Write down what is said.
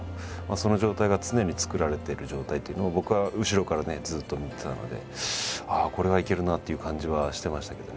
その状態が常に作られてる状態というのを僕は後ろからねずっと見てたのでこれはいけるなという感じはしてましたけどね。